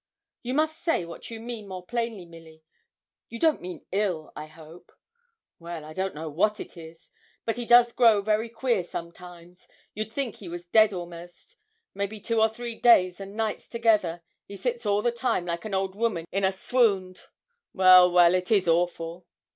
'You must say what you mean, more plainly, Milly. You don't mean ill, I hope?' 'Well! I don't know what it is; but he does grow very queer sometimes you'd think he was dead a'most, maybe two or three days and nights together. He sits all the time like an old woman in a swound. Well, well, it is awful!'